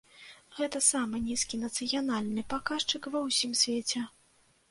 Гэта самы нізкі нацыянальны паказчык ва ўсім свеце.